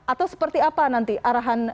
atau seperti apa nanti arahan